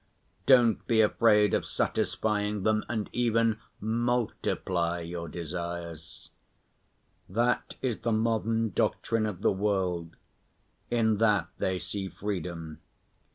Don't be afraid of satisfying them and even multiply your desires." That is the modern doctrine of the world. In that they see freedom.